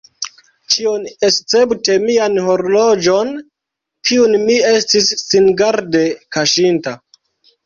Ĉion, escepte mian horloĝon, kiun mi estis singarde kaŝinta.